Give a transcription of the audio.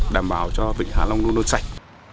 đảm bảo cho vịnh hạ long luôn luôn sạch